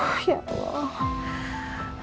aduh ya allah